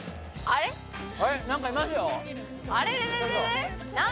なんかいますよ？